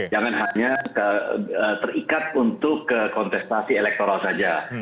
jangan hanya terikat untuk kekontestasi elektoral saja